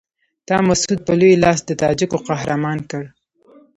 تا مسعود په لوی لاس د تاجکو قهرمان کړ.